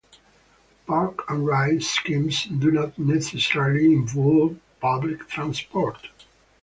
Park and ride schemes do not necessarily involve public transport.